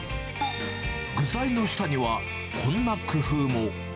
具材の下には、こんな工夫も。